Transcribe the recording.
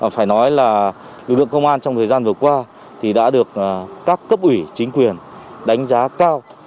phải nói là lực lượng công an trong thời gian vừa qua thì đã được các cấp ủy chính quyền đánh giá cao